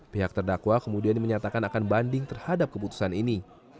pihak terdakwa kemudian menyatakan akan banding terhadap keputusan ini